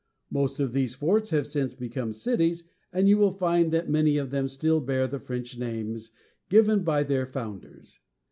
Most of these forts have since become cities, and you will find that many of them still bear the French names given by their founders.